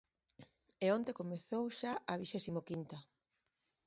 E onte comezou xa a vixésimo quinta.